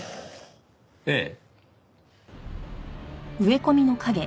ええ。